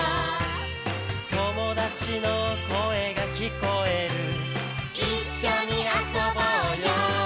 「友達の声が聞こえる」「一緒に遊ぼうよ」